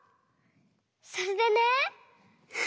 それでね。